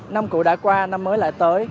năm cũ đã qua năm mới lại tới